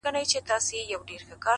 يو نه دی چي و تاته په سرو سترگو ژاړي!!